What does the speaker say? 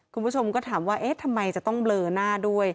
คุณผู้ชมก็ถามว่าเอ๊ะทำไมจะต้องเบลอหน้าด้วย